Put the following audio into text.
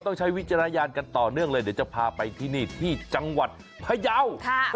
ใช้วิจารณญาณกันต่อเนื่องเลยเดี๋ยวจะพาไปที่นี่ที่จังหวัดพยาว